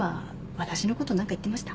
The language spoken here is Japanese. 私のことなんか言ってました？